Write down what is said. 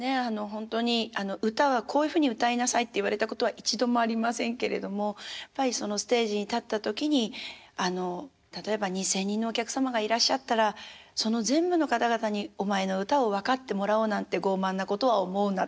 ほんとに「歌はこういうふうに歌いなさい」って言われたことは一度もありませんけれどもやっぱりステージに立った時に例えば２，０００人のお客様がいらっしゃったらその全部の方々にお前の歌を分かってもらおうなんて傲慢なことは思うな。